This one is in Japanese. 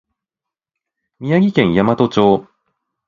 宮城県大和町